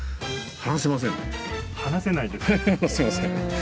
離せません。